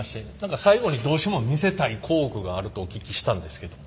最後にどうしても見せたい工具があるとお聞きしたんですけども。